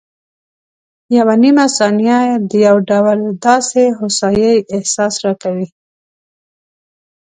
یوه نیمه ثانیه د یو ډول داسې هوسایي احساس راکوي.